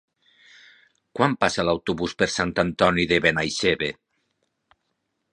Quan passa l'autobús per Sant Antoni de Benaixeve?